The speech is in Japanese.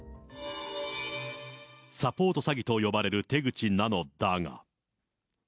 サポート詐欺と呼ばれる手口なのだが。